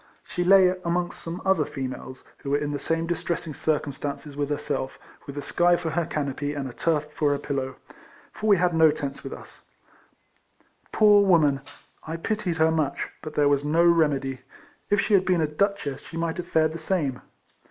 She lay amongst some other females, who were in the same distressing circumstances with herself, with the sky for her canopy, and a turf for her pillow, for we had no tents with 46 RECOLLECTIONS OF US. Poor woman ! I pitied her much ; but there was no remedy. If she had been a duchess she must have fared the same.